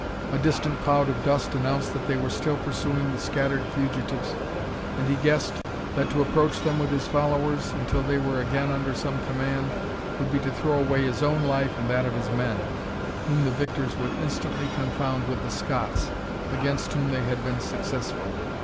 A distant cloud of dust announced that they were still pursuing the scattered fugitives, and he guessed, that to approach them with his followers, until they were again under some command, would be to throw away his own life, and that of his men, whom the victors would instantly confound with the Scots, against whom they had been successful.